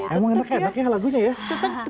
emang enak enak ya lagunya ya